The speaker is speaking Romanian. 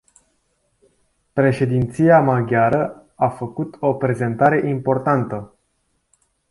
Președinția maghiară a făcut o prezentare importantă.